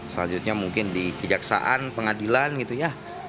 selanjutnya mungkin di kejaksaan pengadilan gitu ya